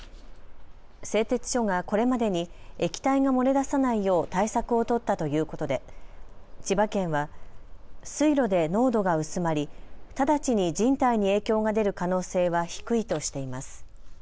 製鉄所がこれまでに液体が漏れ出さないよう対策を取ったということで千葉県は水路で濃度が薄まり直ちに人体に影響が出る可能性は低いとしています。